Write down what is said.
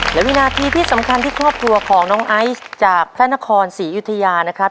และวินาทีที่สำคัญที่ครอบครัวของน้องไอซ์จากพระนครศรีอยุธยานะครับ